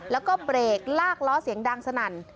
แล้วก็เบรกลากล้อเสียงดังสนั่น